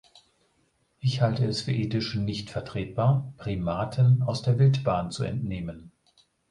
Ich halte es für ethisch nicht vertretbar, Primaten aus der Wildbahn zu entnehmen.